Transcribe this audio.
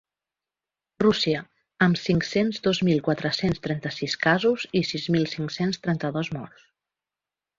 Rússia, amb cinc-cents dos mil quatre-cents trenta-sis casos i sis mil cinc-cents trenta-dos morts.